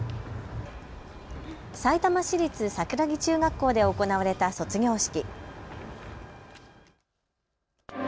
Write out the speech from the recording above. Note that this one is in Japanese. さいたま市立桜木中学校で行われた卒業式。